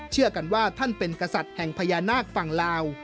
เชื่อกันว่าท่านเป็นกษัตริย์แห่งพญานาคฝั่งลาว